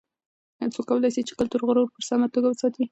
څوک کولای سي چې کلتوري غرور په سمه توګه وساتي؟